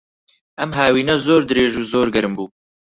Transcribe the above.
ئەم هاوینە زۆر درێژ و زۆر گەرم بوو.